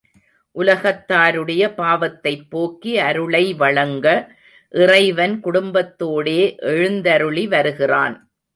உலகத்தாருடைய பாவத்தைப் போக்கி அருளை வழங்க இறைவன் குடும்பத்தோடே எழுந்தருளி வருகிறான்.